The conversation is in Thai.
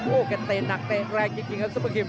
โอ้แกเตะหนักแฆะแรงกี่กี่นะครับซุปกรีม